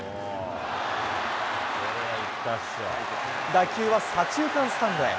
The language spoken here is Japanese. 打球は左中間スタンドへ。